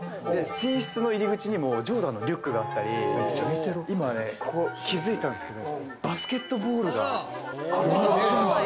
寝室の入り口にもジョーダンのリュックがあったり、ここ気づいたんですけれども、バスケットボールが。